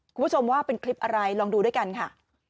คุณผู้ชมว่าเป็นคลิปอะไรลองดูด้วยกันค่ะ